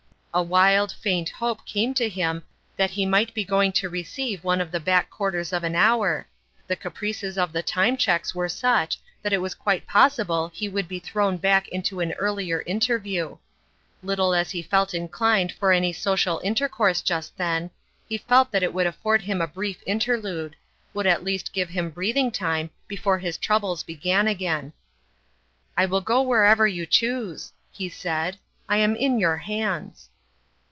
A wild, faint hope came to him that he might be going to receive one of the back quarters of an hour. The caprices of the Time Cheques were such that it was quite possible he would be thrown back into an earlier inter view. Little as he felt inclined for any social intercourse just then, he felt that it would afford him a brief interlude would at least give him breathing time before his troubles began again. " I will go wherever you choose," he said ;" I am in your hands."